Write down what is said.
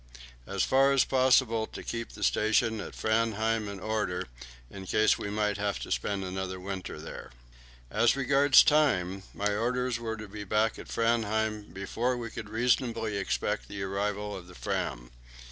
As far as possible to keep the station at Framheim in order, in case we might have to spend another winter there. As regards time, my orders were to be back at Framheim before we could reasonably expect the arrival of the Fram.